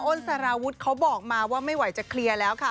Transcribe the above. สารวุฒิเขาบอกมาว่าไม่ไหวจะเคลียร์แล้วค่ะ